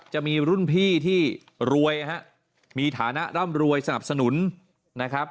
จะมีรุ่นพี่ที่รวยนะฮะมีฐานะร่ำรวยสนับสนุนนะครับ